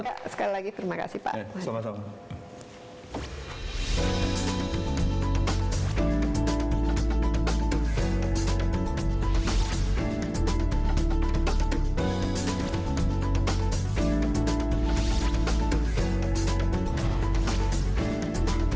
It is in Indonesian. namun sekali lagi terima kasih pak